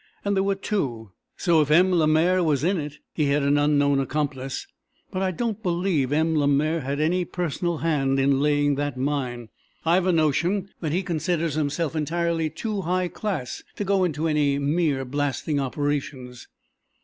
And there were two, so, if M. Lemaire was in it, he had an unknown accomplice. But I don't believe M. Lemaire had any personal hand in laying that mine. I've a notion that he considers himself entirely too high class to go into any mere blasting operations."